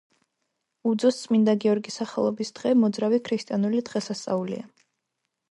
უძოს წმინდა გიორგის სახელობის დღე მოძრავი ქრისტიანული დღესასწაულია.